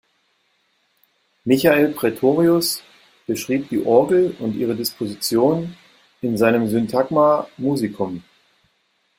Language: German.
Michael Praetorius beschrieb die Orgel und ihre Disposition in seinem Syntagma musicum.